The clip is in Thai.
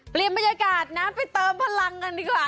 เปลี่ยนบรรยากาศไปเติมพลังกันดีกว่า